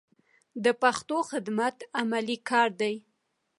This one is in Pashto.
د پښتو خدمت عملي کار دی.